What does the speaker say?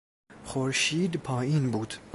خورشید پایین بود.